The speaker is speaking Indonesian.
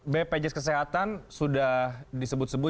bpjs kesehatan sudah disebut sebut